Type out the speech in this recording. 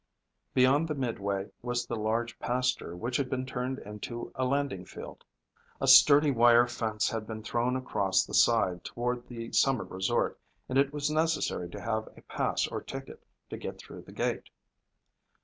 Beyond the midway was the large pasture which had been turned into a landing field. A sturdy wire fence had been thrown across the side toward the summer resort and it was necessary to have a pass or ticket to get through the gate.